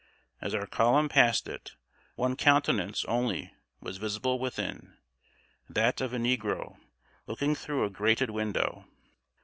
As our column passed it, one countenance only was visible within that of a negro, looking through a grated window.